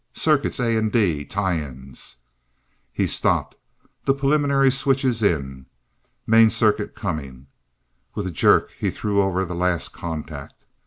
"Circuits A and D. Tie ins." He stopped, the preliminary switches in. "Main circuit coming." With a jerk he threw over the last contact.